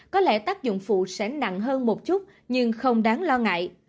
có lẽ tác dụng phụ sẽ nặng hơn một chút nhưng không đáng lo ngại